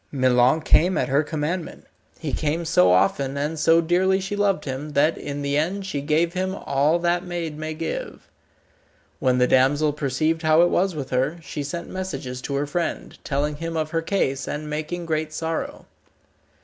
Milon came at her commandment. He came so often, and so dearly she loved him, that in the end she gave him all that maid may give. When the damsel perceived how it was with her, she sent messages to her friend, telling him of her case, and making great sorrow.